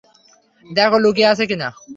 দেখ ও লুকিয়ে আছে কিনা।